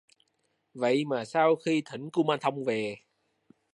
Vậy mà Sau khi thỉnh kumanthông về